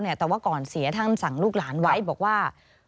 แต่ว่าก่อนเสียท่านสั่งลูกหลานไว้บอกว่า